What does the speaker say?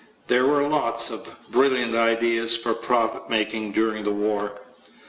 There were lots of brilliant ideas for profit making during the war.